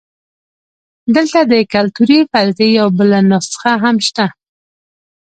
دلته د کلتوري فرضیې یوه بله نسخه هم شته.